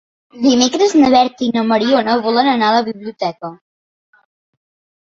Dimecres na Berta i na Mariona volen anar a la biblioteca.